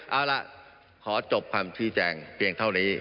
เอาล่ะขอจบคำชี้แจงเพียงเท่านี้